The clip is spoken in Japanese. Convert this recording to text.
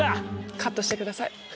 カットして下さい。